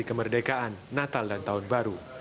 kemerdekaan natal dan tahun baru